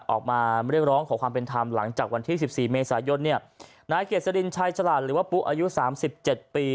ออกมาเรียกร้องขอความเป็นธรรมหลังจากวันที่สิบสี่เมษายนเนี่ยนายเกษรินชายฉลาดหรือว่าปุ๊อายุสามสิบเจ็ดปี